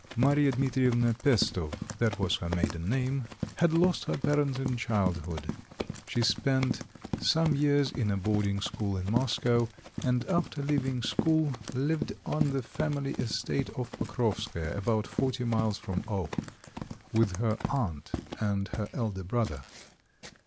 Marya Dmitrievna Pesto that was her maiden name had lost her parents in childhood. She spent some years in a boarding school in Moscow, and after leaving school, lived on the family estate of Pokrovskoe, about forty miles from O , with her aunt and her elder brother.